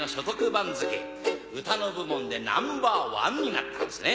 番付歌の部門でナンバーワンになったんですね。